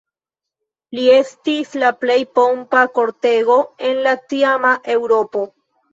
Lia estis la plej pompa kortego en la tiama Eŭropo.